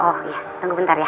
oh iya tunggu bentar ya